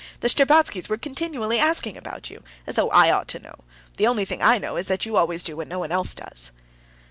The Shtcherbatskys were continually asking me about you, as though I ought to know. The only thing I know is that you always do what no one else does."